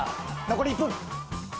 残り１分。